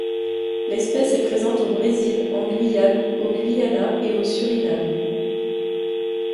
L'espèce est présente au Brésil, en Guyane, au Guyana et au Suriname.